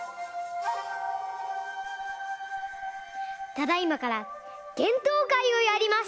ただいまからげんとうかいをやります。